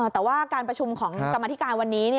แต่ว่าการประชุมของกรรมธิการวันนี้